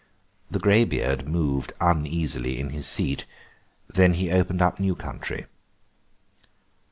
The greybeard moved uneasily in his seat; then he opened up new country.